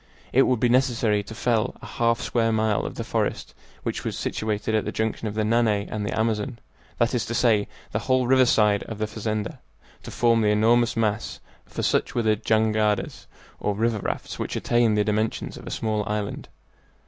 It would be necessary to fell a half mile square of the forest which was situated at the junction of the Nanay and the Amazon that is to say, the whole river side of the fazenda, to form the enormous mass, for such were the jangadas, or river rafts, which attained the dimensions of a small island.